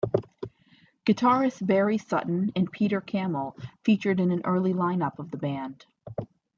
Guitarists Barry Sutton and Peter Cammell featured in an early lineup of the band.